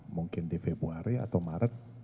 mungkin di februari atau maret